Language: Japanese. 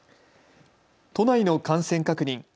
都内の感染確認。